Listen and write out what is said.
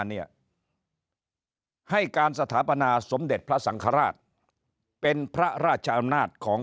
เนี่ยให้การสถาปนาสมเด็จพระสังฆราชเป็นพระราชอำนาจของ